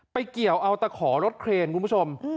ไปเกี่ยวเอาตะขอรถเครนคุณผู้ชม